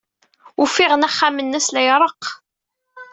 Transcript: Ufiɣ-n axxam-nnes la ireɣɣ.